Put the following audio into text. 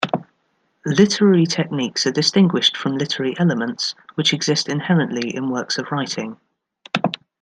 Literary techniques are distinguished from literary elements, which exist inherently in works of writing.